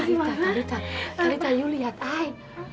kelita kelita kelita ayu lihat ay